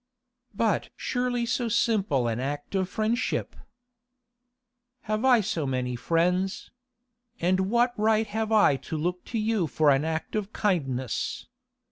'But surely so simple an act of friendship—' 'Have I so many friends? And what right have I to look to you for an act of kindness?